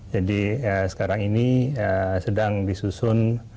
jadi sekarang ini sedang disusun